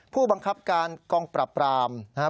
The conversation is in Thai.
ผู้บังคับการกองปราบรามนะครับ